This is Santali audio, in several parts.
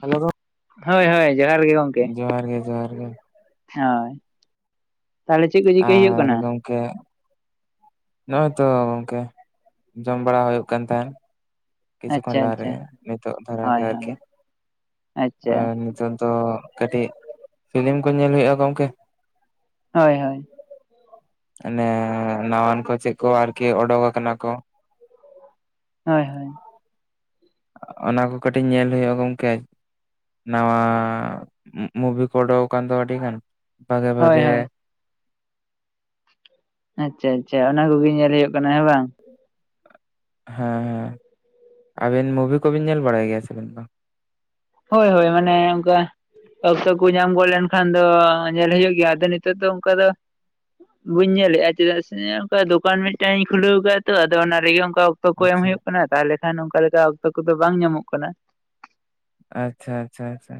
ᱦᱮᱞᱳ ᱜᱳ ᱦᱳᱭ ᱦᱳᱭ ᱡᱚᱦᱟᱨ ᱜᱮ ᱜᱚᱝᱠᱮ ᱡᱚᱦᱟᱨ ᱜᱮ ᱡᱚᱦᱟᱨ ᱜᱮ᱾ ᱦᱳᱭ ᱛᱟᱦᱞᱮ ᱪᱤᱜ ᱠᱩ ᱪᱤᱠᱟᱹᱭ ᱦᱩᱭᱩᱜ ᱟᱨ ᱠᱟᱱᱟ? [unintelligible] ᱱᱚᱜᱼᱚᱭ ᱛᱚ ᱜᱚᱝᱠᱮ ᱡᱚᱢ ᱵᱟᱲᱟ ᱦᱳᱭᱳᱜ ᱠᱟᱱ ᱛᱟᱦᱮᱸᱱ᱾ ᱠᱤᱪᱷᱩ ᱠᱷᱚᱱ ᱟᱪᱪᱷᱟ ᱞᱟᱦᱟ ᱨᱮ ᱟᱪᱪᱷᱟ ᱱᱤᱛᱚᱜ ᱫᱷᱟᱨᱟ ᱦᱳᱭ ᱜᱮ ᱦᱳᱭ ᱟᱨᱠᱤ ᱟᱪᱪᱷᱟ ᱟᱨ ᱱᱤᱛᱚᱜ ᱫᱚ ᱠᱟᱹᱴᱤᱜ ᱯᱷᱤᱞᱤᱢ ᱠᱚ ᱧᱮᱞ ᱦᱳᱭᱳᱜᱼᱟ ᱜᱚᱝᱠᱮ ᱾ ᱦᱳᱭ ᱦᱳᱭ, ᱱᱮᱭᱟ ᱱᱟᱣᱟᱱ ᱠᱚ ᱪᱮᱜ ᱠᱚ ᱟᱨᱠᱤ ᱚᱰᱚᱠ ᱟᱠᱟᱱᱟ ᱠᱚ᱾ ᱦᱳᱭ ᱦᱳᱭ᱾ ᱚᱱᱟ ᱠᱚ ᱠᱟᱹᱴᱤᱡ ᱧᱮᱞ ᱦᱳᱭᱳᱜ-ᱟ ᱜᱚᱝᱠᱮ᱾ ᱱᱟᱣᱟ ᱢᱩᱵᱷᱤ ᱠᱚ ᱳᱰᱳᱠ ᱟᱠᱟᱱ ᱫᱚ ᱟᱹᱰᱤ ᱜᱟᱱ ᱵᱷᱟᱜᱮ ᱦᱳᱭ ᱵᱷᱟᱜᱮ ᱦᱳᱭ ᱟᱪᱪᱷᱟ ᱟᱪᱪᱷᱟ ᱚᱱᱟ ᱠᱚᱜᱮ ᱧᱮᱞ ᱦᱳᱭᱳᱜ ᱠᱟᱱᱟ ᱦᱮᱸ ᱵᱟᱝ? ᱦᱮᱸ, ᱟᱹᱵᱤᱱ ᱢᱩᱵᱷᱤ ᱠᱚᱵᱤᱱ ᱧᱮᱞ ᱵᱟᱲᱟᱭ ᱜᱮᱭᱟ ᱥᱮ ᱵᱮᱱ ᱵᱟᱝ? ᱦᱳᱭ ᱦᱳᱭ ᱢᱟᱱᱮ ᱚᱝᱠᱟ ᱚᱠᱥᱚ ᱠᱩ ᱧᱟᱢ ᱜᱚᱫ ᱞᱮᱱᱠᱷᱟᱱ ᱫᱚ ᱧᱮᱞ ᱦᱩᱭᱩᱜ ᱜᱮᱭᱟ ᱟᱫᱚ ᱱᱤᱛᱚᱜ ᱫᱚ ᱚᱱᱠᱟ ᱫᱚ ᱵᱟᱹᱧ ᱧᱮᱞᱮᱫᱼᱟ ᱪᱮᱫᱟᱜ ᱥᱮ ᱚᱱᱠᱟ ᱫᱚᱠᱟᱱ ᱢᱤᱫᱴᱟᱝ ᱤᱧ ᱠᱷᱩᱞᱟᱹᱣ ᱠᱟᱜᱼᱟ ᱛᱚ ᱟᱫᱚ ᱚᱱᱟ ᱨᱮᱜᱮ ᱚᱱᱠᱟᱯ ᱚᱠᱛᱚ ᱠᱚ ᱮᱢ ᱟᱪᱪᱷᱟ ᱦᱩᱭᱩᱜ ᱠᱟᱱᱟ ᱛᱟᱦᱚᱞᱮ ᱠᱷᱟᱱ ᱚᱱᱠᱟ ᱞᱮᱠᱟ ᱚᱠᱛᱚ ᱠᱚᱫᱚ ᱵᱟᱝ ᱧᱟᱢᱚᱜ ᱠᱟᱱᱟ᱾ ᱟᱪᱪᱷᱟ ᱟᱪᱪᱷᱟ ᱟᱪᱪᱷᱟ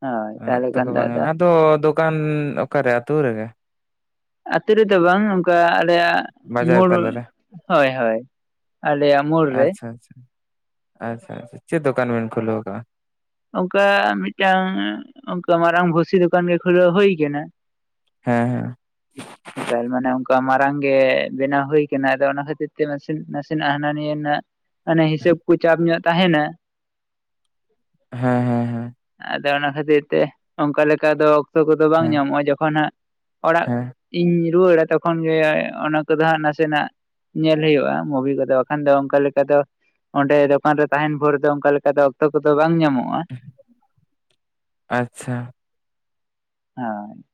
ᱦᱳᱭ ᱛᱟᱦᱚᱞᱮ ᱚᱠᱛᱚ ᱠᱚ ᱠᱷᱟᱱ ᱫᱚ ᱵᱟᱝᱼᱟ ᱟᱫᱚ ᱫᱚᱠ ᱠᱟᱱ ᱚᱠᱟᱨᱮ ᱟᱹᱛᱩ ᱨᱮᱜᱮ? ᱟᱹᱛᱩ ᱨᱮᱫᱚ ᱵᱟᱝ ᱚᱝᱠᱟ ᱟᱞᱮᱭᱟᱜ ᱵᱟᱡᱟᱨ ᱢᱳᱲ, ᱛᱟᱞᱟᱨᱮ ᱦᱳᱭ ᱦᱳᱭ ᱟᱞᱮᱭᱟᱜ ᱢᱳᱲ ᱨᱮ᱾ ᱟᱪᱪᱷᱟ᱾ ᱟᱪᱪᱷᱟ ᱟᱪᱪᱷᱟ ᱪᱮᱫ ᱫᱚᱠᱟᱱ ᱵᱮᱱ ᱠᱷᱩᱞᱟᱹᱣ ᱠᱟᱜᱼᱟ? ᱚᱝᱠᱟ ᱢᱤᱫᱴᱟᱝ ᱚᱝᱠᱟ ᱢᱟᱨᱟᱝ ᱵᱷᱩᱥᱤ ᱫᱚᱠᱟᱱ ᱜᱮ ᱠᱷᱩᱞᱟᱹᱣ ᱦᱩᱭ ᱠᱟᱱᱟ᱾ ᱦᱮᱸ ᱦᱮᱸ᱾ [inaudible] ᱛᱟᱨ ᱢᱟᱱᱮ ᱚᱝᱠᱟ ᱢᱟᱨᱟᱝ ᱜᱮ ᱵᱮᱱᱟᱣ ᱦᱩᱭ ᱠᱟᱱᱟ ᱟᱫᱚ ᱚᱱᱟ ᱠᱷᱟᱹᱛᱤᱨ ᱛᱮ ᱱᱟᱥᱮ ᱱᱟᱥᱮᱱᱟᱜ ᱦᱟᱱᱟ ᱱᱤᱭᱟᱹ ᱨᱮᱱᱟᱜ ᱢᱟᱱᱮ ᱦᱤᱥᱟᱹᱵ ᱠᱩ ᱪᱟᱯ ᱧᱚᱜ ᱛᱟᱦᱮᱸᱱᱟ᱾ ᱦᱮᱸ ᱦᱮᱸ ᱦᱮᱸ᱾ ᱟᱫᱚ ᱚᱱᱟ ᱠᱷᱟᱹᱛᱤᱨ ᱛᱮ ᱚᱝᱠᱟ ᱞᱮᱠᱟ ᱫᱚ ᱚᱠᱛᱚ ᱠᱚᱫᱚ ᱵᱟᱝ ᱦᱮᱸ ᱧᱟᱢᱚᱜᱼᱟ ᱡᱚᱠᱷᱚᱱ ᱦᱟᱸᱜ ᱚᱲᱟᱜ ᱦᱮᱸ ᱤᱧ ᱨᱩᱣᱟᱹᱲᱟ ᱛᱚᱠᱷᱚᱱ ᱜᱮ ᱚᱱᱟ ᱠᱚᱫᱚ ᱦᱟᱸᱜ ᱱᱟᱥᱮᱱᱟᱜ ᱧᱮᱞ ᱦᱩᱭᱩᱜᱼᱟ ᱢᱩᱵᱷᱤ ᱠᱚᱫᱚ ᱵᱟᱠᱷᱟᱱ ᱫᱚ ᱚᱱᱠᱟ ᱞᱮᱠᱟ ᱫᱚ ᱚᱸᱰᱮ ᱫᱚᱠᱟᱱ ᱨᱮ ᱛᱟᱦᱮᱸᱱ ᱵᱷᱳᱨ ᱫᱚ ᱚᱝᱠᱟ ᱞᱮᱠᱟ ᱫᱚ ᱚᱠᱛᱚ ᱠᱚᱫᱚ ᱵᱟᱝ ᱧᱟᱢ᱾ ᱦᱮᱸ ᱟᱪᱪᱷᱟ᱾ ᱦᱚᱭ᱾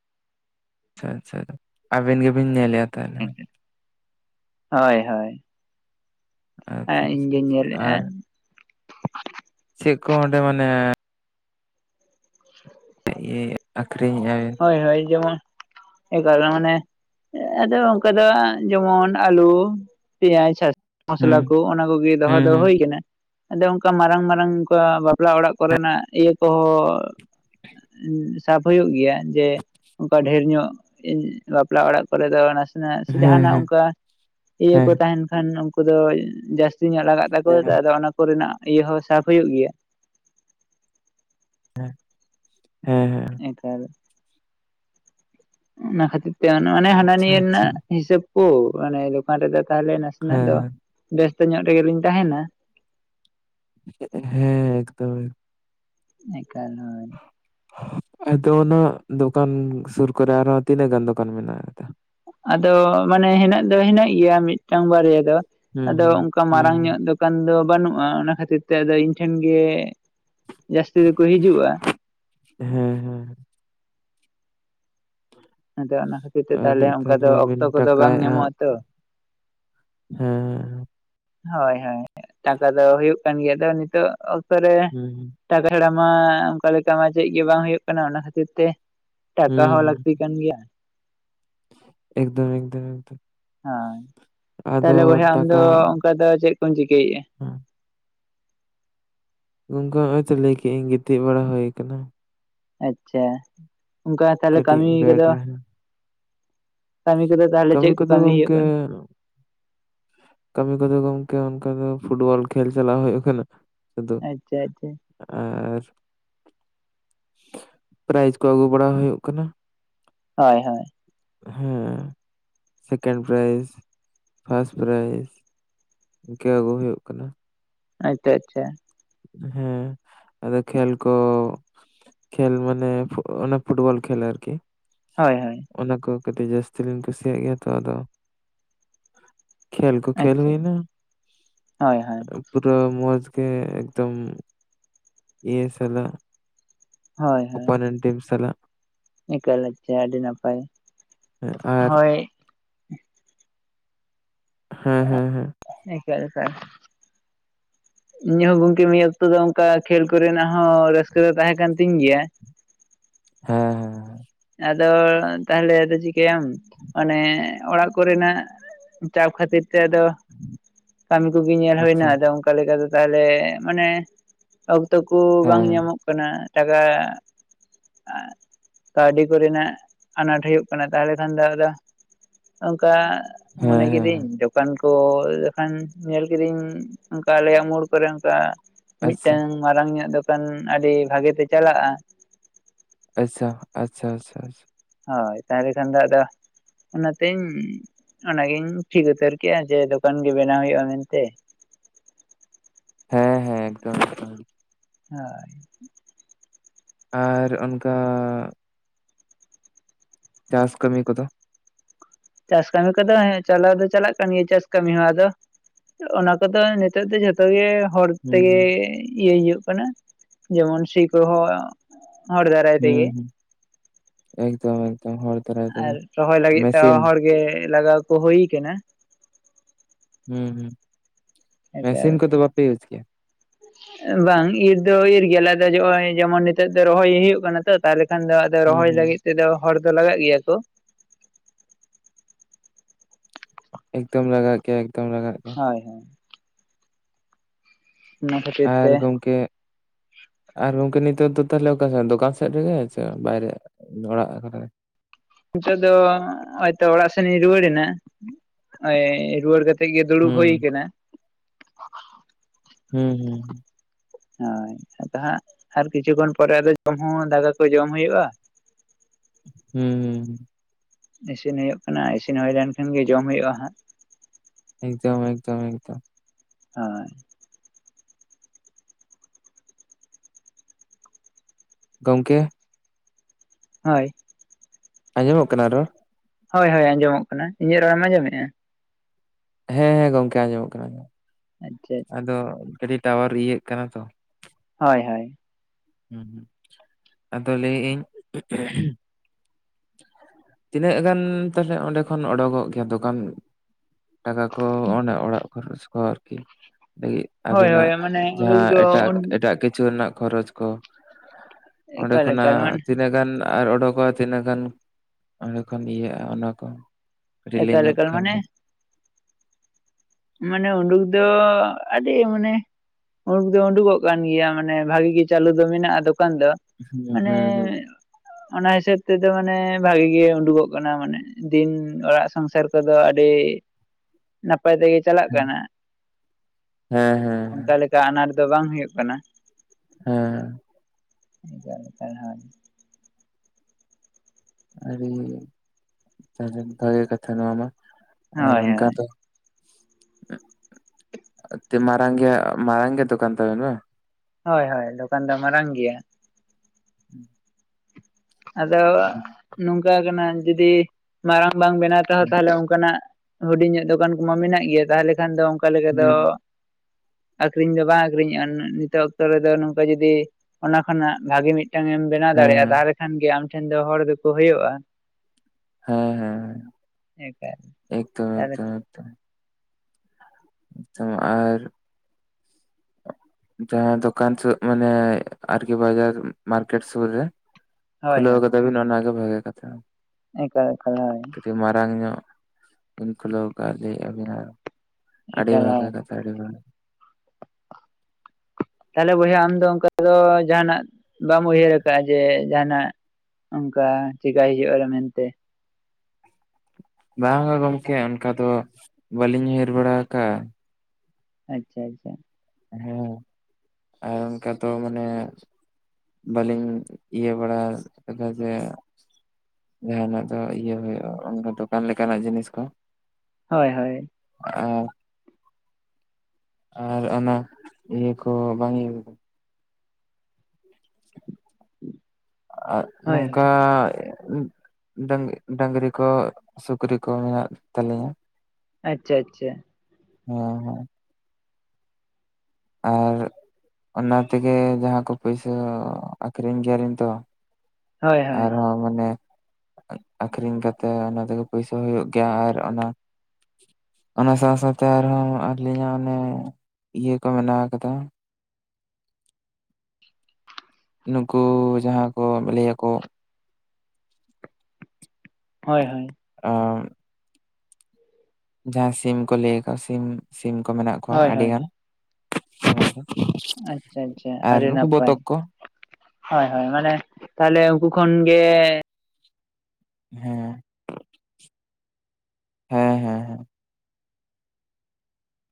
ᱟᱪᱪᱷᱟ ᱟᱪᱪᱷᱟ, ᱟᱵᱤᱱ ᱜᱤᱵᱤᱱ ᱧᱮᱞᱮᱫᱼᱟ? ᱛᱟᱦᱚᱞᱮ ᱦᱮᱸ ᱥᱮ, ᱦᱚᱭ ᱦᱚᱭ᱾ ᱟᱪᱪᱷᱟ ᱦᱮᱸ ᱤᱧ ᱜᱤᱧ ᱟᱪᱪᱷᱟ ᱧᱮᱞᱮᱫᱼᱟ᱾ ᱟᱨ ᱪᱮᱫ ᱠᱚ ᱚᱸᱰᱮ ᱢᱟᱱᱮ [inaudible] ᱤᱭᱟᱹᱭᱮᱜ ᱟᱹᱠᱷᱨᱤᱧᱮᱜ ᱟᱭᱮ ᱦᱳᱭ ᱦᱳᱭ ᱡᱮᱢᱚᱱ ᱮᱝᱠᱟ ᱜᱮ ᱢᱟᱱᱮ ᱟᱫᱚ ᱚᱝᱠᱟ ᱫᱚ ᱟᱸᱜ ᱡᱮᱢᱚᱱ ᱟᱞᱩ ᱯᱮᱸᱭᱟᱡ ᱦᱟᱥ ᱢᱚᱥᱞᱟ ᱦᱩᱸ ᱠᱩ ᱚᱱᱟ ᱠᱩᱜᱤ ᱫᱚᱦᱚ ᱦᱩᱸ ᱫᱚ ᱦᱩᱸ ᱦᱩᱭ ᱠᱟᱱᱟ᱾ ᱟᱫᱚ ᱚᱝᱠᱟ ᱢᱟᱨᱟᱝ ᱢᱟᱨᱟᱝ ᱚᱝᱠᱟ ᱵᱟᱯᱞᱟ ᱚᱲᱟᱜ ᱠᱚᱨᱮᱱᱟᱜ ᱤᱭᱟᱹ ᱠᱚᱦᱚᱸ ᱩᱸᱜ ᱥᱟᱯ ᱦᱩᱭᱩᱜ ᱜᱤᱭᱟ᱾ ᱡᱮ ᱚᱝᱠᱟ ᱰᱷᱮᱨ ᱧᱚᱜ ᱵᱟᱯᱞᱟ ᱚᱲᱟᱜ ᱠᱚᱨᱮ ᱫᱚ ᱚᱱᱟᱥ ᱥᱮᱱᱟᱜ ᱥᱮ ᱦᱮᱸ ᱡᱟᱦᱟᱸᱱᱟᱜ ᱦᱮᱸ ᱚᱝᱠᱟ ᱤᱭᱟᱹ ᱦᱮᱸ ᱠᱚ ᱦᱮᱸ ᱛᱟᱦᱮᱸᱱ ᱠᱷᱟᱱ ᱩᱱᱠᱩ ᱫᱚ ᱡᱟᱥ ᱥᱤᱧ ᱟᱞᱟᱜᱟᱜ ᱦᱮᱸ ᱛᱟᱠᱚᱣᱟ ᱛᱚ ᱟᱫᱚ ᱚᱱᱟ ᱠᱚᱨᱮᱱᱟᱜ ᱤᱭᱟᱹ ᱦᱚᱸ ᱥᱟᱯ ᱦᱩᱭᱩᱜ ᱜᱤᱭᱟ᱾ ᱦᱮᱸ, ᱦᱮᱸ ᱦᱮᱸ᱾ ᱮᱠᱟᱞ ᱚᱱᱟ ᱠᱷᱟᱹᱛᱤᱨ ᱛᱮ ᱚᱱ ᱢᱟᱱᱮ ᱦᱟᱱᱟ ᱟᱪᱪᱷᱟ ᱱᱤᱭᱟᱹ ᱟᱪᱪᱷᱟ ᱨᱮᱱᱟᱜ ᱦᱤᱥᱟᱹᱵ ᱠᱩ ᱢᱟᱱᱮ ᱫᱚᱠᱟᱱ ᱨᱮᱫᱚ ᱛᱟᱦᱚᱞᱮ ᱱᱟᱥ ᱥᱤᱱᱟᱜ ᱫᱚ ᱦᱮᱸ ᱵᱮᱥᱛᱚ ᱧᱚᱜ ᱨᱮᱜᱮᱞᱤᱧ ᱛᱟᱦᱮᱸᱱᱟ᱾ ᱦᱮᱸ ᱮᱠᱫᱚᱢᱮ ᱮᱠᱟᱞ, ᱦᱳᱭ ᱟᱫᱚ ᱚᱱᱟ ᱫᱚᱠᱟᱱ ᱥᱩᱨ ᱠᱚᱨᱮ ᱟᱨᱦᱚᱸ ᱛᱤᱱᱟᱹᱜ ᱜᱟᱱ ᱫᱚᱠᱟᱱ ᱢᱮᱱᱟᱜᱼᱟ ᱟᱫᱚ? ᱟᱫᱚ ᱢᱟᱱᱮ ᱦᱮᱱᱟᱜ ᱫᱚ ᱦᱮᱱᱟᱜ ᱜᱮᱭᱟ ᱢᱤᱫᱴᱟᱝ ᱵᱟᱨᱭᱟ ᱫᱚ ᱦᱩᱸ ᱟᱫᱚ ᱦᱩᱸ ᱚᱝᱠᱟ ᱦᱩᱸ ᱢᱟᱨᱟᱝ ᱧᱚᱜ ᱫᱚ ᱫᱚᱠᱟᱱ ᱫᱚ ᱵᱟᱹᱱᱩᱜ-ᱟ ᱚᱱᱟ ᱠᱷᱟᱹᱛᱤᱨ ᱛᱮ ᱟᱫᱚ ᱤᱧ ᱴᱷᱮᱱ ᱜᱮ ᱡᱟᱹᱥᱛᱤ ᱫᱚᱠᱚ ᱦᱤᱡᱩᱜ-ᱟ ᱦᱮᱸ ᱦᱮᱸ ᱟᱫᱚ ᱚᱱᱟ ᱠᱷᱟᱹᱛᱤᱨ ᱛᱮ ᱛᱟᱦᱚᱞᱮ ᱟᱹᱰᱤ ᱚᱱᱠᱟ ᱫᱚ ᱵᱤᱱ ᱚᱠᱛᱚ ᱠᱚᱫᱚ ᱵᱟᱝ ᱴᱟᱠᱟᱭᱮᱜᱼᱟ ᱧᱟᱢᱚᱜ ᱟᱛᱚ ᱦᱮᱸ ᱦᱮᱸᱻ ᱦᱳᱭ ᱦᱳᱭ ᱴᱟᱠᱟ ᱫᱚ ᱦᱩᱭᱩᱜ ᱠᱟᱱ ᱜᱮᱭᱟ ᱛᱚ ᱱᱤᱛᱚᱜ ᱚᱠᱛᱚ ᱨᱮ ᱦᱩᱸ ᱴᱟᱠᱟ ᱪᱷᱟᱲᱟ ᱢᱟ ᱚᱱᱠᱟ ᱞᱮᱠᱟ ᱢᱟ ᱪᱮᱫ ᱜᱮ ᱵᱟᱝ ᱦᱩᱭᱩᱜ ᱠᱟᱱᱟ ᱚᱱᱟ ᱠᱷᱟᱹᱛᱤᱨ ᱛᱮ ᱴᱟᱠᱟ ᱦᱩᱸ ᱦᱚᱸ ᱦᱩᱸ ᱞᱟᱹᱠᱛᱤ ᱠᱟᱱ ᱜᱮᱭᱟ ᱮᱠᱫᱚᱢ ᱮᱠᱫᱚᱢ ᱮᱠᱫᱚᱢ ᱦᱳᱭ [inaudible] ᱟᱫᱚ ᱴᱟᱠᱟ ᱟᱫᱚ ᱪᱮᱫ ᱠᱚᱢ ᱪᱤᱠᱟᱹᱭᱮᱜ-ᱟ ᱦᱩᱸ᱾ ᱜᱚᱝᱠᱮ ᱱᱚᱜ ᱚᱭ ᱛᱚ ᱞᱟᱹᱭ ᱠᱮᱜ ᱟᱹᱧ ᱜᱤᱛᱤᱡ ᱵᱟᱲᱟ ᱦᱩᱭ ᱟᱠᱟᱱᱟ᱾ ᱟᱪᱪᱷᱟ ᱚᱱᱠᱟ ᱛᱟᱦᱞᱮ ᱠᱟᱹᱴᱤᱡ ᱠᱟᱹᱢᱤ ᱵᱮᱰ ᱨᱮ ᱠᱚᱫᱚ- ᱦᱮᱸ᱾ ᱠᱟᱹᱢᱤ ᱠᱚᱫᱚ ᱛᱟᱦᱚᱞᱮ ᱪᱮᱫ ᱠᱚ ᱠᱚᱫᱚ ᱠᱟᱹᱢᱤ ᱦᱩᱭᱩᱜ ᱜᱚᱝᱠᱮ ᱠᱟᱱᱟ? ᱠᱟᱹᱢᱤ ᱠᱚᱫᱚ ᱜᱚᱢᱠᱮ ᱚᱱᱠᱟ ᱫᱚ ᱯᱷᱩᱴᱵᱚᱞ ᱠᱷᱮᱞ ᱪᱟᱞᱟᱣ ᱦᱩᱭᱩᱜ ᱠᱟᱱᱟ᱾ ᱥᱩᱫᱩ ᱟᱪᱪᱷᱟ ᱟᱪᱪᱷᱟ᱾ ᱟᱨ ᱯᱨᱟᱭᱤᱡᱽ ᱠᱚ ᱟᱹᱜᱩ ᱵᱟᱲᱟ ᱦᱩᱭᱩᱜ ᱠᱟᱱᱟ᱾ ᱦᱳᱭ ᱦᱳᱭ᱾ ᱦᱮᱸ ᱥᱮᱠᱮᱱᱰ ᱯᱨᱟᱭᱤᱡᱽ ᱯᱷᱟᱥᱴ ᱯᱨᱟᱭᱤᱡᱽ᱾ ᱤᱱᱠᱟᱹ ᱟᱹᱜᱩ ᱦᱳᱭᱳᱜ ᱠᱟᱱᱟ᱾ ᱟᱪᱪᱷᱟ ᱟᱪᱪᱷᱟ ᱾ ᱦᱮᱸ ᱟᱫᱚ ᱠᱷᱮᱞ ᱠᱚ- ᱠᱷᱮᱞ ᱢᱟᱱᱮ ᱚᱱᱮ ᱯᱷᱩᱴᱵᱚᱞ ᱠᱷᱮᱞ ᱟᱨᱠᱤ᱾ ᱦᱳᱭ ᱦᱳᱭ᱾ ᱚᱱᱟ ᱠᱚ ᱠᱟᱹᱴᱤᱡ ᱡᱟᱹᱥᱛᱤ ᱞᱤᱧ ᱠᱩᱥᱤᱭᱟᱜ ᱜᱮᱭᱟ ᱛᱚ ᱟᱫᱚ᱾ ᱠᱷᱮᱞ ᱠᱚ ᱠᱷᱮᱞ ᱟᱪᱪᱷᱟ ᱦᱩᱭ ᱱᱟ᱾ ᱦᱳᱭ ᱦᱳᱭ ᱯᱩᱨᱟᱹ ᱢᱚᱡᱽ ᱜᱮ ᱮᱠᱫᱚᱢ᱾ ᱤᱭᱟᱹ ᱥᱟᱞᱟᱜ᱾ ᱦᱳᱭ ᱦᱳᱭ ᱚᱯᱚᱱᱮᱱᱴ ᱴᱤᱢ ᱥᱟᱞᱟᱜ ᱤᱠᱟᱹᱞ ᱟᱪᱪᱷᱟ ᱟᱹᱰᱤ ᱱᱟᱯᱟᱭ᱾ ᱦᱮ ᱟᱨ᱾ ᱦᱳᱭ ᱦᱮᱸ ᱦᱮᱸ ᱦᱮᱸ᱾ ᱮᱞᱟ ᱮᱠᱟ ᱤᱧᱟᱜ ᱦᱚᱸ ᱜᱚᱝᱠᱮ ᱢᱤᱫ ᱚᱠᱛᱚ ᱫᱚ ᱚᱱᱠᱟ ᱠᱷᱮᱞ ᱠᱚᱨᱮᱱᱟᱜ ᱦᱚᱸ ᱨᱟᱹᱥᱠᱟᱹ ᱫᱚ ᱛᱟᱦᱮᱸ ᱠᱟᱱ ᱛᱤᱧ ᱜᱮᱭᱟ᱾ ᱦᱮᱸ ᱦᱮᱸ ᱮᱸ᱾ ᱟᱫᱚ ᱛᱟᱦᱞᱮ ᱫᱚ ᱪᱤᱠᱟᱭᱟᱢ ᱟᱱᱮ ᱚᱲᱟᱜ ᱠᱚᱨᱮᱱᱟᱜ- ᱪᱟᱣ ᱠᱷᱟᱹᱛᱤᱨ ᱛᱮ ᱟᱫᱚ- ᱠᱟᱹᱢᱤ ᱠᱚᱜᱮ ᱧᱮᱞ ᱦᱩᱭᱱᱟ ᱟᱪᱪᱷᱟ ᱟᱫᱚ ᱚᱱᱠᱟ ᱞᱮᱠᱟ ᱫᱚ ᱛᱟᱦᱚᱞᱮ ᱢᱟᱱᱮ- ᱚᱠᱛᱚ ᱠᱚ ᱵᱟᱝ ᱦᱮᱸ ᱧᱟᱢᱚᱜ ᱠᱟᱱᱟ ᱴᱟᱠᱟ- ᱠᱟᱹᱣᱰᱤ ᱠᱚᱨᱮᱱᱟᱜ ᱟᱱᱟᱴ ᱦᱩᱭᱩᱜ ᱠᱟᱱᱟ ᱛᱟᱦᱚᱞᱮ ᱠᱷᱟᱱ ᱫᱚ ᱟᱫᱚ- ᱚᱱᱠᱟ ᱦᱮᱸ ᱢᱚᱱᱮ ᱦᱮᱸ ᱠᱤᱫᱟᱹᱧ ᱦᱮᱸ ᱫᱚᱠᱟᱱ ᱠᱚ- ᱠᱷᱟᱱ ᱧᱮᱞ ᱠᱤᱫᱤᱧ ᱚᱱᱠᱟ ᱟᱞᱮᱭᱟᱜ ᱢᱳᱲ ᱠᱚᱨᱮ ᱚᱱᱠᱟ ᱟᱪᱪᱷᱟ ᱢᱤᱫᱴᱟᱹᱝ- ᱢᱟᱨᱟᱝ ᱧᱚᱜ ᱫᱚᱠᱟᱱ ᱟᱹᱰᱤ ᱵᱷᱟᱜᱤᱛᱮ ᱪᱟᱞᱟᱜᱼᱟ᱾ ᱟᱪᱪᱷᱟ ᱟᱪᱪᱷᱟ ᱟᱪᱪᱷᱟ ᱟᱪᱷᱟ᱾ ᱦᱳᱭ ᱛᱟᱞᱦᱮ ᱠᱷᱟᱱ ᱫᱚ ᱟᱫᱚ- ᱚᱱᱟᱛᱤᱧ ᱚᱱᱟᱜᱤᱧ ᱴᱷᱤᱠ ᱩᱛᱟᱹᱨ ᱡᱮ ᱫᱚᱠᱟᱱ ᱜᱮ ᱦᱩᱭᱩᱜᱼᱟ ᱢᱮᱱᱛᱮ᱾ ᱦᱮᱸ ᱦᱮᱸ ᱮᱠᱫᱚᱢ ᱮᱠᱫᱚᱢ ᱟᱭ᱾ ᱟᱨ ᱚᱱᱠᱟ ᱪᱟᱥ ᱠᱟᱹᱢᱤ ᱠᱚᱫᱚ? ᱪᱟᱥ ᱠᱟᱹᱢᱤ ᱠᱚᱫᱚ ᱮᱸ ᱪᱟᱞᱟᱣ ᱫᱚ ᱪᱟᱞᱟᱜ ᱠᱟᱱ ᱜᱮᱭᱟ ᱪᱟᱥ ᱠᱟᱹᱢᱤ ᱦᱚᱸ ᱟᱫᱚ ᱚᱱᱟ ᱠᱚᱫᱚ ᱱᱮ ᱛᱚᱜ ᱫᱚ ᱡᱷᱚᱛᱚ ᱜᱮ ᱦᱚᱲ ᱦᱩᱸ ᱛᱮᱜᱮ ᱦᱩᱸ ᱤᱭᱟᱹᱭ ᱦᱩᱭᱩᱜ ᱠᱟᱱᱟ ᱡᱮᱢᱚᱱ ᱥᱤ ᱠᱚᱦᱚᱸ ᱦᱚᱲ ᱫᱟᱨᱟᱭ ᱛᱮᱜᱮ ᱦᱩᱸ, ᱮᱠᱫᱚᱢ ᱮᱠᱫᱚᱢ ᱦᱚᱭ ᱟᱨ ᱨᱚᱦᱚᱭ ᱞᱟᱹᱜᱤᱜ ᱛᱮᱦᱚ ᱦᱚᱲᱜᱮ ᱞᱟᱜᱟᱣ ᱠᱚ ᱦᱩᱭ ᱠᱟᱱᱟ᱾ ᱩᱸ ᱦᱩᱸ᱾ ᱢᱮᱥᱤᱱ ᱠᱚᱫᱚ ᱵᱟᱯᱮ ᱤᱭᱩᱡᱽ ᱜᱮᱭᱟ [unintelligible] ᱵᱟᱝ, ᱤᱨ ᱫᱚ ᱤᱨ ᱜᱮ ᱟᱞᱮᱫᱚ ᱡᱚᱼᱚᱭ ᱡᱮᱢᱚᱱ ᱱᱤᱛᱳᱜ ᱫᱚ ᱨᱚᱦᱚᱭ ᱦᱩᱭᱩᱜ ᱠᱟᱱᱟ ᱛᱚ ᱛᱟᱦᱚᱞᱮ ᱠᱷᱟᱱ ᱫᱚ ᱦᱩᱸ ᱨᱚᱦᱚᱭ ᱦᱩᱸ ᱞᱟᱹᱜᱤᱜ ᱛᱮᱫᱚ ᱦᱚᱲ ᱫᱚ ᱞᱟᱜᱟᱜ ᱜᱮᱭᱟ ᱠᱚ᱾ ᱮᱠᱫᱚᱢ ᱞᱟᱜᱟᱜ ᱜᱮᱭᱟ, ᱮᱠᱫᱚᱢ ᱞᱟᱜᱟᱜ ᱜᱮᱭᱟ᱾ ᱦᱳᱭ ᱦᱳᱭ᱾ ᱚᱱᱟ ᱠᱷᱟᱹᱛᱤᱨ ᱟᱨ ᱛᱮ ᱜᱚᱝᱠᱮ [inaudible] ᱟᱨ ᱜᱚᱝᱠᱮ ᱱᱤᱛᱚᱜ ᱫᱚ ᱛᱟᱦᱚᱞᱮ ᱚᱠᱟ ᱥᱮ ᱫᱚᱠᱟᱱ ᱥᱮᱫ ᱨᱮᱜᱮ ᱥᱮ ᱵᱟᱭᱨᱮ ᱚᱲᱟᱜ ᱠᱚᱨᱮ? ᱱᱤᱛᱚᱜ ᱫᱚ ᱚᱭᱛᱚ ᱚᱲᱟᱜ ᱥᱮᱱᱤᱧ ᱨᱩᱣᱟᱹᱲ ᱮᱱᱟ, ᱚᱭ ᱨᱩᱣᱟᱹᱲ ᱠᱟᱛᱮ ᱛᱮᱜ ᱜᱮ ᱫᱩᱲᱩᱵ ᱦᱳᱭ ᱦᱩᱸ ᱠᱟᱱᱟ᱾ ᱦᱩᱸ ᱦᱩᱸ᱾ ᱦᱳᱭ ᱟᱫᱚ ᱦᱟᱸᱜ ᱟᱨ ᱠᱤᱪᱷᱩ ᱠᱷᱚᱱ ᱯᱚᱨᱮ ᱟᱫᱚ ᱡᱚᱢ ᱦᱚᱸ ᱫᱟᱠᱟ ᱠᱚ ᱡᱚᱢ ᱦᱩᱭᱳᱜᱼᱟ᱾ ᱦᱩᱸ᱾ ᱤᱥᱤᱱ ᱦᱩᱭᱳᱜ ᱠᱟᱱᱟ, ᱤᱥᱤᱱ ᱦᱩᱭ ᱞᱮᱱᱠᱷᱟᱱ ᱜᱮ ᱡᱚᱢ ᱦᱩᱭᱩᱜᱼᱟ ᱦᱟᱸᱜ᱾ ᱮᱠᱫᱚᱢ ᱮᱠᱫᱚᱢ ᱮᱠᱫᱚᱢ᱾ ᱦᱳᱭ᱾ ᱜᱚᱝᱠᱮ᱾ ᱦᱳᱭ᱾ ᱟᱸᱡᱚᱢᱚᱜ ᱠᱟᱱᱟ ᱨᱚᱲ? ᱦᱳᱭ ᱦᱳᱭ ᱟᱸᱡᱚᱢᱚᱜ ᱠᱟᱱᱟ, ᱤᱧᱟᱹᱜ ᱨᱚᱲᱮᱢ ᱟᱸᱡᱚᱢᱮᱜᱼᱟ? ᱦᱮᱸ ᱦᱮᱸ ᱜᱚᱝᱠᱮ ᱟᱸᱡᱚᱢᱚᱜ ᱠᱟᱱᱟ [inaudible] ᱟᱸᱪᱪᱟᱡ ᱟᱫᱚ ᱠᱟᱹᱴᱤᱡ ᱴᱟᱣᱟᱨ ᱤᱭᱟᱹᱜ ᱠᱟᱱᱟ ᱛᱚ᱾ ᱦᱚᱭ ᱦᱚᱭ᱾ ᱦᱩᱸ ᱟᱫᱚ ᱞᱟᱹᱭ ᱮ ᱤᱧ᱾ ᱛᱤᱱᱟᱹᱜ ᱜᱟᱱ ᱛᱟᱦᱚᱞᱮ ᱚᱸᱰᱮ ᱠᱷᱚᱱ ᱳᱰᱳᱜᱚᱜ ᱜᱮᱭᱟ ᱫᱚᱠᱟᱱ? ᱴᱟᱠᱟ ᱠᱚ ᱚᱱᱮ ᱚᱲᱟᱜ ᱠᱷᱚᱨᱚᱪ ᱠᱚ ᱟᱨᱠᱤ ᱞᱤᱜᱤᱜ? ᱦᱳᱭ ᱦᱳᱭ ᱟᱵᱤᱱᱟᱜ ᱢᱟᱱᱮ ᱩᱱᱠᱩ ᱡᱟᱦᱟᱸ ᱫᱚ ᱮᱴᱟᱜ ᱮᱴᱟᱜ ᱠᱤᱪᱷᱩ ᱨᱮᱱᱟᱜ ᱠᱷᱚᱨᱚᱪ ᱠᱚ᱾ ᱚᱸᱰᱮ ᱮᱠᱟᱞ ᱮᱠᱟᱞ ᱠᱷᱚᱱᱟᱜ ᱢᱟᱱᱮ ᱛᱤᱱᱟᱹᱜ ᱜᱟᱱ ᱟᱨ ᱳᱰᱳᱠᱚᱼᱟ ᱛᱤᱱᱟᱹᱝ? ᱜᱟᱱ ᱚᱸᱰᱮ ᱠᱷᱚᱱ ᱤᱭᱟᱹᱜᱼᱟ ᱚᱱᱟ ᱠᱚ ᱠᱟᱴᱤᱡ ᱞᱟᱹᱭ ᱮᱠᱟᱞ ᱧᱚᱜ ᱮᱠᱟᱞ ᱠᱷᱟᱱ ᱢᱟᱱᱮ ᱵᱤᱱ ᱢᱟᱱᱮ ᱩᱸᱰᱩᱠ ᱫᱚ ᱟᱹᱰᱤ ᱢᱟᱱᱮ ᱩᱸᱰᱩᱠ ᱫᱚ ᱩᱸᱰᱩᱠᱚᱜ ᱠᱟᱱ ᱜᱮᱭᱟ ᱢᱟᱱᱮ ᱵᱷᱟᱜᱤ ᱜᱮ ᱪᱟᱹᱞᱩ ᱫᱚ ᱢᱮᱱᱟᱜᱼᱟ ᱫᱚᱠᱟᱱ ᱫᱚ᱾ ᱦᱩᱸ ᱢᱟᱱᱮ ᱦᱩᱸ ᱦᱩᱸ ᱚᱱᱟ ᱦᱤᱥᱟᱹᱵ ᱛᱮᱫᱚ ᱢᱟᱱᱮ ᱵᱷᱟᱜᱤ ᱜᱮ ᱩᱸᱰᱩᱠᱚᱜ ᱠᱟᱱᱟ ᱢᱟᱱᱮ ᱫᱤᱱ ᱚᱲᱟᱜ ᱥᱚᱝᱥᱟᱨ ᱠᱚᱫᱚ ᱟᱹᱰᱤ ᱱᱟᱯᱟᱭ ᱛᱮᱜᱮ ᱪᱟᱞᱟᱜ ᱠᱟᱱᱟ, ᱦᱮᱸ ᱚᱱᱠᱟ ᱦᱮᱸ ᱞᱮᱠᱟ ᱟᱱᱟᱴ ᱫᱚ ᱵᱟᱝ ᱦᱩᱭᱩᱜ ᱠᱟᱱᱟ᱾ ᱚᱸᱻ᱾ ᱵᱷᱮᱡᱟ ᱢᱮᱛᱟᱭ ᱦᱟᱢ᱾ ᱟᱨ ᱤᱭᱟᱹ ᱵᱷᱟᱜᱮ ᱠᱟᱛᱷᱟ ᱱᱚᱣᱟ ᱢᱟ ᱟᱨ ᱦᱳᱭ ᱚᱱᱠᱟ ᱦᱳᱭ ᱫᱚ ᱛᱤ ᱢᱟᱨᱟᱝᱜ ᱢᱟᱨᱟᱝᱜᱮ ᱫᱚᱠᱟᱱ ᱛᱟᱵᱤᱱ ᱵᱟᱝ? ᱦᱳᱭ ᱦᱳᱭ ᱫᱚᱠᱟᱱ ᱫᱚ ᱢᱟᱨᱟᱝ ᱜᱮᱭᱟ ᱾ ᱦᱩᱸ᱾ ᱟᱫᱚ ᱱᱚᱝᱠᱟ ᱠᱟᱱᱟ ᱡᱩᱫᱤ ᱢᱟᱨᱟᱝ ᱵᱟᱝ ᱵᱮᱱᱟᱣ ᱛᱮᱦᱚᱸ ᱦᱩᱸ ᱛᱟᱦᱚᱞᱮ ᱚᱱᱠᱟᱱᱟᱜ ᱦᱩᱰᱤᱧ ᱧᱚᱜ ᱫᱚᱠᱟᱱ ᱠᱚᱢᱟ ᱢᱮᱱᱟᱜ ᱜᱮᱭᱟ ᱛᱟᱦᱞᱮ ᱠᱷᱟᱱ ᱫᱚ ᱚᱱᱠᱟ ᱞᱮᱠᱟ ᱫᱚ ᱦᱮᱸ ᱟᱠᱠᱷᱨᱤᱧ ᱫᱚ ᱵᱟᱝ ᱟᱹᱷᱨᱤᱧᱚᱜᱼᱟ ᱱᱤᱛᱚᱜ ᱚᱠᱛᱚ ᱨᱮᱫᱚ ᱱᱚᱝᱠᱟ ᱡᱩᱫᱤ ᱚᱱᱟ ᱠᱷᱚᱱᱟᱜ ᱵᱷᱟᱜᱤ ᱢᱤᱫ ᱴᱟᱝ ᱮᱢ ᱵᱮᱱᱟᱣ ᱫᱟᱲᱮᱭᱟᱜᱼᱟ ᱦᱮᱸ ᱛᱟᱦᱚᱞᱮ ᱠᱷᱟᱱ ᱜᱮ ᱟᱢ ᱴᱷᱮᱱ ᱫᱚ ᱦᱚᱲ ᱫᱚᱠᱚ ᱦᱳᱭᱳᱜᱼᱟ ᱾ ᱦᱮᱸ ᱦᱮᱸ ᱮᱠᱫᱚᱢ ᱛᱟᱦᱚᱞᱮ ᱮᱠᱫᱚᱢ ᱮᱠᱫᱚᱢ᱾ ᱮᱠᱫᱚᱢ ᱟᱨ ᱡᱟᱦᱟᱸ ᱫᱚᱠᱟᱱ ᱢᱟᱱᱮ ᱟᱨᱠᱤ ᱵᱟᱡᱟᱨ ᱢᱟᱨᱠᱮᱴ ᱥᱩᱨ ᱨᱮ ᱦᱳᱭ ᱠᱷᱩᱞᱟᱹᱣ ᱦᱳᱭ ᱠᱟᱫᱟᱵᱤᱱ ᱚᱱᱟᱜᱮ ᱵᱷᱟᱜᱮ ᱠᱟᱛᱷᱟᱼᱼ ᱮᱠᱟᱞ ᱠᱷᱩᱞᱟᱣ ᱤᱧᱼᱼ ᱟᱹᱰᱤ ᱢᱟᱨᱟᱝ ᱧᱚᱜ ᱵᱤᱱ ᱠᱷᱩᱞᱟᱹᱣ ᱟᱠᱟᱫᱼᱟ ᱞᱟᱹᱭᱮᱫᱼᱟᱵᱤᱱ ᱟᱨ ᱟᱹᱰᱤ ᱮᱠᱟᱞ ᱵᱷᱟᱜᱮ ᱦᱳᱭ ᱠᱟᱛᱷᱟ᱾ ᱦᱮᱸ᱾ ᱛᱟᱦᱚᱞᱮ ᱵᱚᱭᱦᱟ ᱟᱢ ᱫᱚ ᱚᱱᱠᱟ ᱫᱚ ᱡᱟᱦᱟᱱᱟᱜ ᱵᱟᱢ ᱩᱭᱦᱟᱹᱨ ᱟᱠᱟᱟᱜᱼᱟ ᱡᱮ ᱡᱟᱦᱟᱱᱟᱜᱼᱼ ᱚᱱᱠᱟ ᱪᱮᱠᱟᱭ ᱦᱩᱭᱩᱜ-ᱟ ᱢᱮᱱᱛᱮ᱾ ᱵᱟᱝᱟ ᱜᱚᱢᱠᱮ ᱚᱱᱠᱟ ᱫᱚ ᱵᱟᱹᱞᱤᱧ ᱩᱭᱦᱟᱹᱨ ᱵᱟᱲᱟ ᱟᱠᱟᱜ᱾ ᱟᱪᱪᱷᱟ ᱟᱪᱪᱷᱟ᱾ ᱦᱮᱸ ᱟᱨ ᱚᱱᱠᱟ ᱫᱟ ᱢᱟᱱᱮᱼᱼ ᱵᱟᱹᱞᱤᱧ ᱤᱭᱟᱹ ᱵᱟᱲᱟ ᱠᱟᱫᱟ ᱡᱮᱼᱼ ᱡᱟᱦᱟᱱᱟᱜ ᱫᱚ ᱤᱭᱟᱹ ᱦᱩᱭᱩᱜᱼᱟ ᱚᱱᱠᱟ ᱫᱚᱠᱟᱱ ᱞᱮᱠᱟᱱᱟᱜ ᱡᱤᱱᱤᱥ ᱠᱚᱼᱼ ᱦᱳᱭ ᱦᱳᱭ᱾ ᱟᱨ ᱟᱨ ᱚᱱᱟᱼᱼ ᱤᱭᱟᱹ ᱠᱚ ᱵᱟᱝ ᱤᱭᱟᱹ [inaudible] ᱟᱨ ᱦᱳᱭ ᱦᱳᱭ ᱱᱚᱝᱠᱟᱼᱼ ᱰᱟᱝᱨᱤ ᱠᱚ ᱥᱩᱠᱨᱤ ᱠᱚ ᱢᱮᱱᱟᱜ ᱠᱚᱛᱟᱞᱮᱭᱟ᱾ ᱟᱪᱪᱷᱟ ᱟᱪᱪᱷᱟ᱾ ᱦᱮᱸ ᱦᱮᱸ᱾ ᱟᱨ ᱚᱱᱟ ᱛᱮᱜᱮ ᱡᱟᱦᱟᱸ ᱠᱚ ᱯᱩᱭᱥᱟᱹ ᱟᱹᱠᱷᱨᱤᱧ ᱜᱮᱭᱟᱞᱤᱧ ᱛᱚᱼᱼ ᱦᱳᱭ ᱦᱳᱭ ᱟᱨᱦᱚᱼᱼ ᱢᱟᱱᱮ ᱟᱠᱷᱨᱤᱧ ᱠᱟᱛᱮ ᱚᱱᱟ ᱛᱮᱜᱮ ᱯᱚᱭᱥᱟᱹ ᱦᱩᱭᱩᱜ ᱜᱮᱭᱟ ᱟᱨ ᱚᱱᱟᱼᱼ ᱚᱱᱟ ᱥᱟᱶ ᱥᱟᱶᱛᱮ ᱟᱨᱦᱚᱸ ᱟᱹᱞᱤᱧᱟᱜ ᱚᱱᱮ ᱤᱭᱟᱹ ᱠᱚ ᱢᱮᱱᱟᱜ ᱟᱠᱟᱫᱟᱼᱼ ᱱᱩᱠᱩ ᱡᱟᱦᱟᱸ ᱠᱚ ᱞᱟᱹᱭ ᱟᱠᱚᱼᱼ ᱦᱳᱭ ᱦᱳᱭ᱾ ᱟᱼᱼ ᱡᱟᱦᱟᱸ ᱥᱤᱢ ᱠᱚ ᱞᱟᱹᱭ ᱠᱟᱜ ᱥᱤᱢ ᱥᱤᱢ ᱠᱚ ᱢᱮᱱᱟᱜ ᱠᱚᱣᱟ ᱦᱳᱭ ᱦᱳᱭ ᱟᱹᱰᱤᱜᱟᱱ ᱟᱪᱪᱷᱟ ᱟᱪᱪᱷᱟ ᱟᱨ ᱟᱹᱰᱤ ᱱᱩᱠᱩ ᱱᱟᱯᱟᱭ᱾ ᱵᱚᱛᱚᱠ ᱠᱚ ᱦᱳᱭ ᱦᱳᱭ ᱢᱟᱱᱮ ᱛᱟᱦᱚᱞᱮ ᱩᱱᱠᱩ ᱠᱷᱚᱱ ᱜᱮᱼᱼ ᱦᱮᱸ᱾ ᱦᱮᱸ ᱦᱮᱸ ᱦᱮᱸ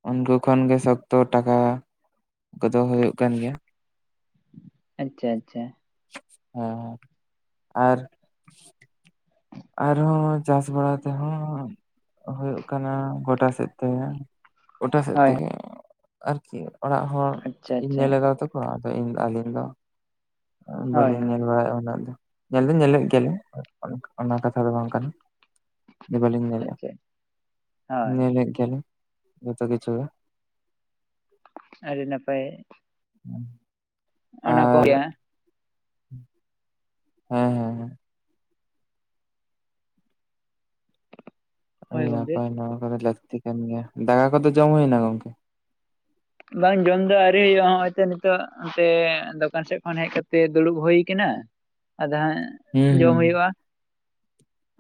ᱩᱱᱠᱩ ᱠᱷᱚᱱ ᱜᱮ ᱥᱚᱠᱛᱚ ᱴᱟᱠᱟ ᱠᱚᱫᱚ ᱦᱩᱭᱩᱜ ᱠᱟᱱ ᱜᱮᱭᱟ᱾ ᱟᱪᱪᱷᱟ ᱟᱪᱪᱷᱟ᱾ ᱦᱮᱸ ᱟᱨ᱾ ᱟᱨᱦᱚᱸ ᱪᱟᱥ ᱵᱟᱲᱟ ᱛᱮᱦᱚᱸ ᱦᱳᱭᱳᱜ ᱠᱟᱱᱟ ᱜᱚᱰᱟ ᱥᱮᱫ ᱛᱮ᱾ ᱜᱚᱴᱟ ᱥᱮᱜ ᱦᱳᱭ ᱛᱮᱜᱮ ᱟᱨᱠᱤ ᱚᱲᱟᱜ ᱦᱚᱲ ᱟᱪᱪᱷᱟ ᱤᱧ ᱟᱪᱪᱷᱟ ᱧᱮᱞ ᱫᱟ ᱛᱚ ᱟᱫᱚ ᱤᱧ ᱟᱹᱞᱤᱧ ᱫᱚ ᱦᱳᱭ ᱵᱟᱹᱞᱤᱧ ᱦᱳᱭ ᱧᱮᱞ ᱵᱟᱲᱟᱭᱮᱫᱼᱟ ᱩᱱᱟᱹᱜ ᱫᱚ᱾ ᱧᱮᱞ ᱫᱚ ᱧᱮᱞᱮᱫ ᱜᱮᱭᱟᱞᱮᱧ ᱚᱱᱟ ᱠᱟᱛᱷᱟ ᱫᱚ ᱵᱟᱝ ᱠᱟᱱᱟ᱾ ᱡᱮ ᱵᱟᱹᱞᱤᱧ ᱧᱮᱞᱮᱜᱼᱟ ᱟᱪᱪᱷᱟ ᱦᱳᱭ ᱧᱮᱞᱮᱫ ᱜᱮᱭᱟᱞᱤᱧ ᱡᱷᱚᱛᱚ ᱠᱤᱪᱷᱩ ᱜᱮ᱾ ᱟᱹᱰᱤ ᱱᱟᱯᱟᱭ᱾ ᱩᱸ᱾ ᱚᱱᱟ ᱠᱚ [unintelligible] ᱦᱩᱸ᱾ ᱦᱮᱸ-ᱦᱮᱸ᱾ ᱦᱳᱭ ᱟᱹᱰᱤ ᱜᱚᱝᱠᱮ ᱱᱟᱯᱟᱭ ᱱᱚᱣᱟ ᱠᱚᱫᱚ ᱞᱟᱹᱠᱛᱤ ᱠᱟᱱ ᱜᱮᱭᱟ ᱫᱟᱠᱟ ᱠᱚᱫᱚ ᱡᱚᱢ ᱦᱩᱭᱱᱟ ᱜᱚᱝᱠᱮ? ᱵᱟᱝ ᱡᱚᱢ ᱫᱚ ᱟᱹᱣᱨᱤ ᱦᱩᱭᱩᱜᱼᱟ ᱦᱚᱸᱜ-ᱚᱭ ᱛᱚ ᱱᱤᱛᱚᱜ ᱚᱱᱛᱮ ᱫᱚᱠᱟᱱ ᱥᱮᱫ ᱠᱷᱚᱱ ᱦᱮᱡ ᱠᱟᱛᱮ ᱫᱩᱲᱩᱵ ᱦᱩᱭ ᱠᱟᱱᱟ᱾ ᱟᱫᱚ ᱦᱟᱸᱜ ᱦᱩᱸ ᱡᱚᱢ ᱦᱩᱸ ᱦᱩᱭᱩᱜᱼᱟ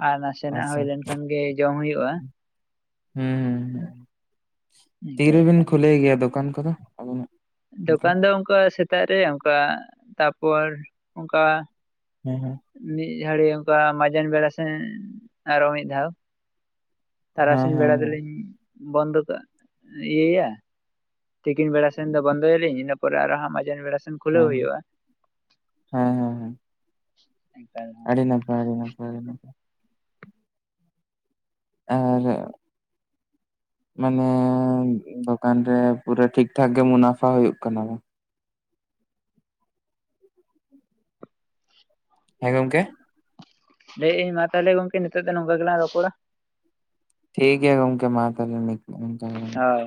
ᱟᱨ ᱱᱟᱥᱮᱱᱟᱜ ᱟᱪᱪᱷᱟ ᱦᱩᱭ ᱞᱮᱱᱠᱷᱟᱱ ᱜᱮ ᱡᱚᱢ ᱦᱩᱭᱩᱜᱼᱟ᱾ ᱦᱩᱸ ᱦᱩᱸ ᱦᱩᱸ ᱱᱤᱝᱠᱟᱹ ᱛᱤᱨᱮᱵᱤᱱ ᱞᱮᱠᱟ ᱠᱷᱩᱞᱟᱹᱭ ᱜᱮᱭᱟ ᱫᱚᱠᱟᱱ ᱠᱚᱫᱚ? [inaudible] ᱚᱱᱠᱟ? ᱫᱚᱠᱟᱱ ᱫᱚ ᱚᱱᱠᱟ ᱥᱮᱛᱟᱜ ᱨᱮ ᱚᱱᱠᱟ ᱛᱟᱯᱚᱨ ᱚᱱᱠᱟ ᱦᱩᱸ ᱦᱩᱸ᱾ ᱢᱤᱫ ᱜᱷᱟᱹᱲᱤ ᱚᱱᱠᱟ ᱢᱟᱡᱟᱱ ᱵᱮᱲᱟ ᱥᱮ ᱟᱨᱚ ᱢᱤᱫ ᱫᱷᱟᱣ ᱦᱮᱸ ᱛᱟᱨᱟᱥᱤᱧ ᱦᱮᱸ ᱵᱮᱲᱟ ᱫᱚᱞᱤᱧ ᱵᱚᱱᱫᱚ ᱠᱟᱜ ᱤᱭᱟᱹᱭᱟ᱾ ᱛᱤᱠᱤᱱ ᱵᱮᱲᱟ ᱥᱮᱱ ᱫᱚ ᱵᱚᱱᱫᱚᱭᱟᱞᱤᱧ ᱤᱱᱟᱹ ᱯᱚᱨ ᱟᱨᱚ ᱦᱟᱸᱜ ᱢᱟᱡᱟᱱ ᱵᱮᱲᱟ ᱥᱮᱱ ᱠᱷᱩᱞᱟᱹᱣ ᱦᱮᱸ ᱦᱩᱭᱩᱜᱼᱟ, [inaudible] ᱦᱮᱸ ᱦᱮᱸ ᱦᱮᱸ ᱟᱹᱰᱤ ᱱᱟᱯᱟᱭ ᱟᱹᱰᱤ ᱱᱟᱯᱟᱭ ᱟᱰᱤ ᱱᱟᱯᱟᱭ। ᱟᱨ [inaudible] ᱢᱟᱱᱮ ᱫᱚᱠᱟᱱ ᱨᱮ ᱯᱩᱨᱟᱹ ᱴᱷᱤᱠᱴᱷᱟᱠ ᱜᱮ ᱢᱩᱱᱟᱯᱷᱟ ᱦᱩᱭᱩᱜ ᱠᱟᱱᱟ ᱵᱟᱝ? ᱦᱮᱸ ᱜᱚᱢᱠᱮ? ᱞᱟᱹᱭᱮᱫ ᱟᱹᱧ ᱢᱟ ᱛᱟᱦᱚᱞᱮ ᱜᱚᱢᱠᱮ ᱱᱤᱛᱚᱜ ᱫᱚ ᱱᱚᱝᱠᱟ ᱜᱮᱞᱟᱝ ᱨᱚᱯᱚᱲᱟ। ᱴᱷᱤᱠ ᱜᱮᱭᱟ ᱜᱚᱢᱠᱮ ᱢᱟ ᱛᱟᱦᱚᱮ ᱱᱤᱛ ᱫᱚ ᱱᱚᱝᱠᱟ ᱜᱮ। ᱦᱳᱭ